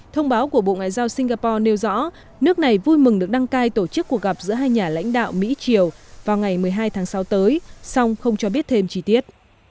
thông báo của bộ ngoại giao singapore nêu rõ nước này vui mừng được đăng cai tổ chức cuộc gặp giữa hai nhà lãnh đạo mỹ triều vào ngày một mươi hai tháng sáu tới song không cho biết thêm chi tiết